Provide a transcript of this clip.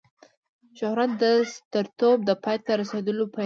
شهرت د سترتوب د پای ته رسېدلو پیل دی.